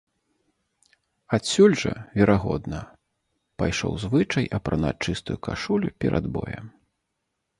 Адсюль жа, верагодна, пайшоў звычай апранаць чыстую кашулю перад боем.